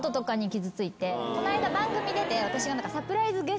こないだ番組出て私が。